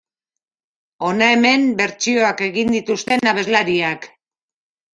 Hona hemen bertsioak egin dituzten abeslariak.